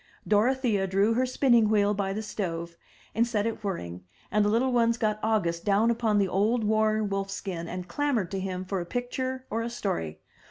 Dorothea drew her spinning wheel by the stove and set it whirring, and the little ones got August down upon the old worn wolf skin and clamored to him for a picture or a story.